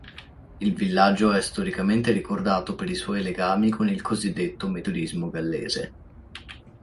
Il villaggio è storicamente ricordato per i suoi legami con il cosiddetto metodismo gallese.